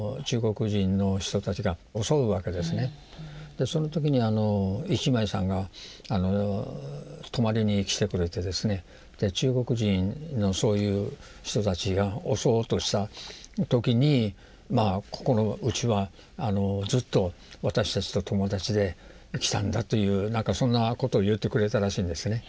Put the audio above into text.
でその時に一枚さんが泊まりに来てくれてですね中国人のそういう人たちが襲おうとした時に「ここのうちはずっと私たちと友達できたんだ」というなんかそんなことを言ってくれたらしいんですね。